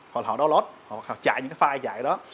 họ download họ chạy những cái file chạy đó